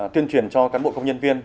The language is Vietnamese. tuyên truyền cho cán bộ công nhân viên